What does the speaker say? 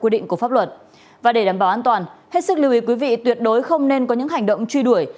để bảo an toàn hết sức lưu ý quý vị tuyệt đối không nên có những hành động truy đuổi